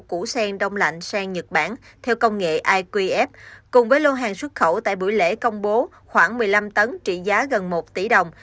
củ sen đông lạnh sen nhật bản theo công nghệ iqf cùng với lô hàng xuất khẩu tại buổi lễ công bố khoảng một mươi năm tấn trị giá gần một tỷ đồng